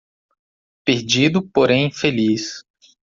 Perdido, porém feliz